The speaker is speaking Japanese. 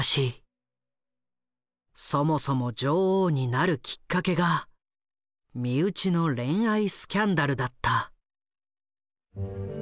そもそも女王になるきっかけが身内の恋愛スキャンダルだった。